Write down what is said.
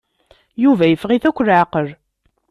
Yuba iffeɣ-it akk leɛqel.